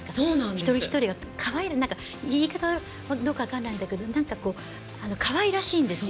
一人一人が言い方はどうか分からないけどかわいらしいんですよ。